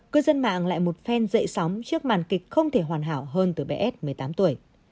cư dân mạng lại một fan dậy sóng trước màn kịch không thể hoàn hảo hơn từ bé ad một mươi tám tuổi